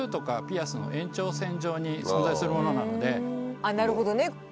あっなるほどね。